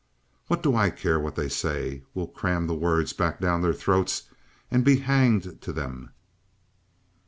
"What do I care what they say? We'll cram the words back down their throats and be hanged to 'em.